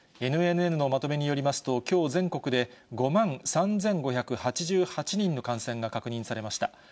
ＮＮＮのまとめによりますと、きょう全国で、５万３５８８人の感染が確認されました。